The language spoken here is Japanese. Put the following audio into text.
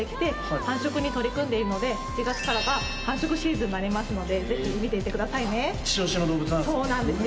繁殖に取り組んでいるので１月からは繁殖シーズンになりますのでぜひ見ていてくださいね・イチオシの動物なんですか？